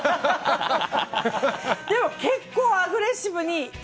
でも、結構アグレッシブに。